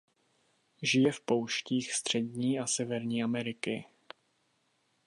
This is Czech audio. Žije v pouštích Střední a Severní Ameriky.